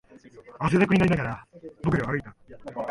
汗だくになりながら、僕らは歩いた